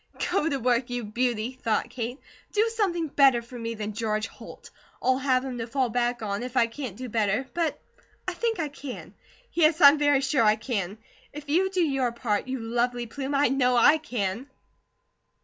"Go to work, you beauty," thought Kate. "Do something better for me than George Holt. I'll have him to fall back on if I can't do better; but I think I can. Yes, I'm very sure I can! If you do your part, you lovely plume, I KNOW I can!"